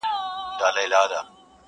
ته چي را سره یې له انار سره مي نه لګي-